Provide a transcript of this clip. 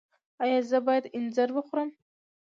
ایا زه باید انځر وخورم؟